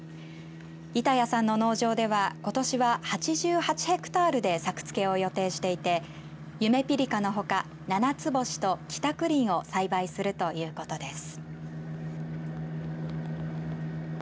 板谷さんの農場ではことしは８８ヘクタールで作付けを予定していてゆめぴりかのほかななつぼしと、きたくりんを栽培するということです。